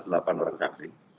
untuk mencari jawaban orang saksi